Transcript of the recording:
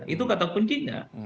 itu katak kuncinya